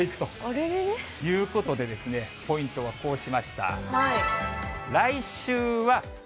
あれれれれ。ということで、ポイントはこうしました。